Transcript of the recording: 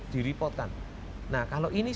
direportkan nah kalau ini